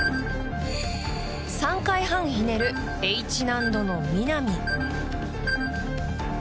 ３回半ひねるＨ難度のミナミ。